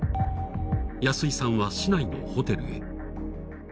安井さんは市内のホテルへ。